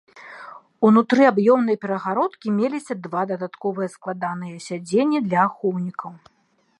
Унутры аб'ёмнай перагародкі меліся два дадатковыя складаныя сядзенні для ахоўнікаў.